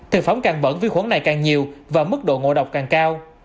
từ phóng càng bẩn viêm khuẩn này càng nhiều và mức độ ngộ độc càng cao